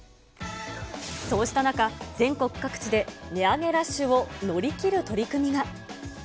そうした中、全国各地で値上げラッシュを乗り切る取り組みが。